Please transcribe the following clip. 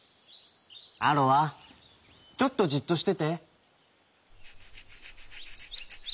「アロアちょっとじっとしてて」。